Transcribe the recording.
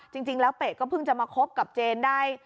จริงแล้วเปะก็เพิ่งจะมาคบกับเจนได้